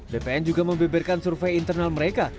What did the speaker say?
bpn juga membeberkan survei internal mereka